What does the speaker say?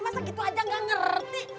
masa gitu aja gak ngerti